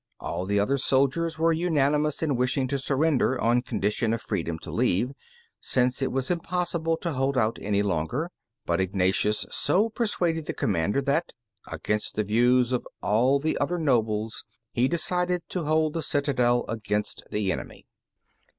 All the other soldiers were unanimous in wishing to surrender on condition of freedom to leave, since it was impossible to hold out any longer; but Ignatius so persuaded the commander, that, against the views of all the other nobles, he decided to hold the citadel against the enemy.